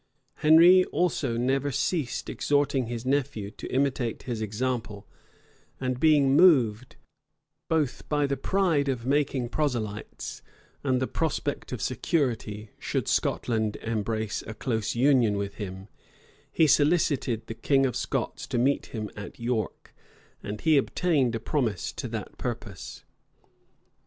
Henry also never ceased exhorting his nephew to imitate his example; and being moved, both by the pride of making proselytes, and the prospect of security, should Scotland embrace a close union with him, he solicited the king of Scots to meet him at York; and he obtained a promise to that purpose.